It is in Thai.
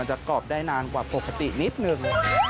จะกรอบได้นานกว่าปกตินิดนึง